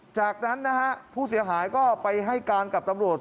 จากนั้นนะฮะผู้เสียหายก็ไปให้การกับตำรวจ